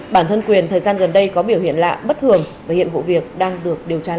bản thân quyền thời gian gần đây có biểu hiện lạ bất thường và hiện vụ việc đang được điều tra làm rõ